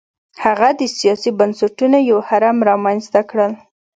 هغه د سیاسي بنسټونو یو هرم رامنځته کړل.